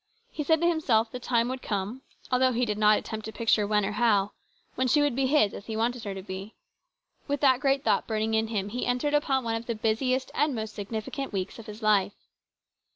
He said to himself the time would come, although he did not attempt to picture when or how, when she would be his as he wanted her to be. With that great thought burning in him, he entered upon one of the busiest and most significant weeks of his life.